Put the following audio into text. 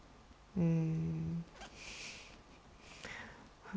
うん。